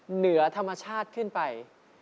เหนือธรรมชาติขึ้นไป